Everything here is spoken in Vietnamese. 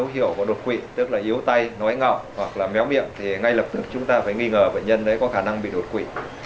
có dấu hiệu của độc quỵ tức là yếu tay nói ngọt hoặc là méo miệng thì ngay lập tức chúng ta phải nghi ngờ bệnh nhân có khả năng bị độc quỵ